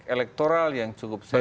elektoral yang cukup serius